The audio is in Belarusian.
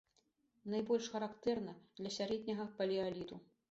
Найбольш характэрна для сярэдняга палеаліту.